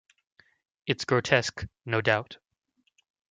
It's grotesque, no doubt.